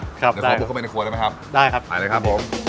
เดี๋ยวช่วยพว่บลูกเข้าไปในครัวได้มั้ยครับพอ